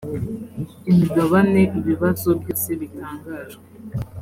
imigabane ibibazo byose bitangajwe